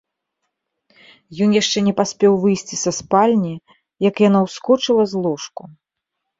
Ён яшчэ не паспеў выйсці са спальні, як яна ўскочыла з ложку.